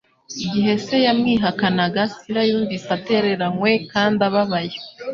Igihe se yamwihakanaga, Sila yumvise atereranywe kandi ababaye,